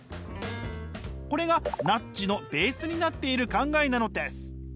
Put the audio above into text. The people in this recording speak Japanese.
これがナッジのベースになっている考えなのです。